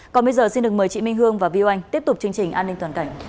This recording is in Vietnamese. còn bây giờ xin được mời chị minh hương và viu anh tiếp tục chương trình an ninh toàn cảnh